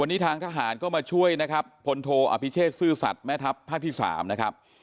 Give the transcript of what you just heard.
วันนี้ทางทหารก็มาช่วยนะครับพลโทอภิเชษซื่อสัตว์แม่ทัพภาคที่๓นะครับ